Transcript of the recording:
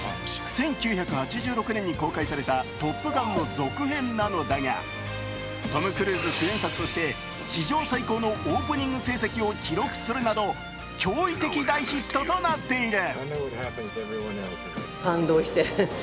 １９８６年に公開された「トップガン」の続編なのだが、トム・クルーズ主演作として史上最高のオープニング成績を記録するなど驚異的大ヒットとなっている。